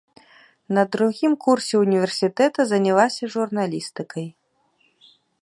На другім курсе ўніверсітэта занялася журналістыкай.